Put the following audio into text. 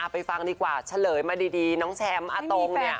ฟังดีกว่าเฉลยมาดีน้องแชมป์อาตงเนี่ย